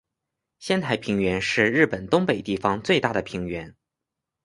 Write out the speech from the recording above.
仙台平原是日本东北地方最大的平原。